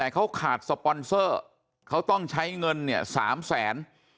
เขาขาดสปอนเซอร์เขาต้องใช้เงินเนี่ย๓แสน